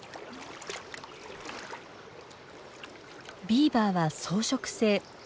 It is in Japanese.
ビーバーは草食性。